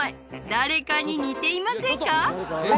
誰かに似ていませんか？